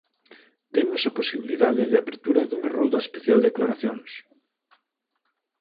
Temos a posibilidade de apertura dunha rolda especial de aclaracións.